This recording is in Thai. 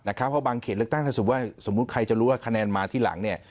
เพราะบางเขตเลือกตั้งถ้าสมมุติใครจะรู้ว่าคะแนนมาที่หลัง